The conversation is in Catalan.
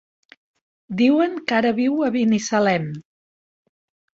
Diuen que ara viu a Binissalem.